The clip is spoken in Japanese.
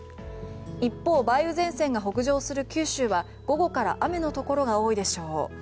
一方、梅雨前線が北上する九州は午後から雨のところが多いでしょう。